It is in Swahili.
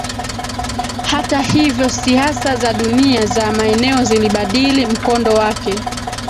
hata hivyo siasa za dunia za maeneo zilibadili mkondo wake